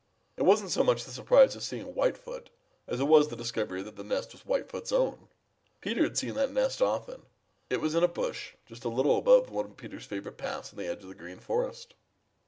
It wasn't so much the surprise of seeing Whitefoot as it was the discovery that that nest was White foot's own. Peter, had seen that nest often. It was in a bush just a little above one of Peter's favorite paths on the edge of the Green Forest.